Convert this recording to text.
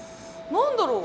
何だろう？